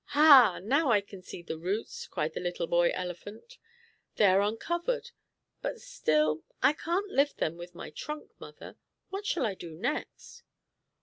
"Ha! Now I can see the roots!" cried the little boy elephant. "They are uncovered, but still I can't lift them up with my trunk, mother. What shall I do next?"